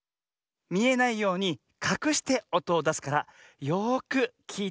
みえないようにかくしておとをだすからよくきいてね。